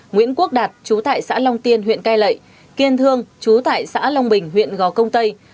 nguyễn quốc đạt chú tại xã long tiên huyện cai lệ kiên thương chú tại xã long bình huyện gò công tây